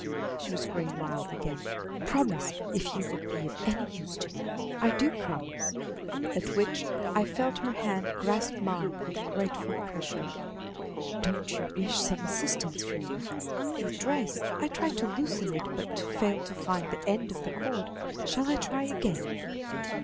She was growing wild again. "Promise, if you would be of any use to me." "I do promise." At which I felt her hand grasp mine with grateful pressure. "Don't you wish some assistance from me? Your dress I tried to loosen it, but failed to find the end of the cord. Shall I try again?"